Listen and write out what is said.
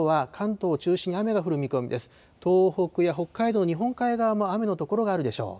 東北や北海道、日本海側も雨の所があるでしょう。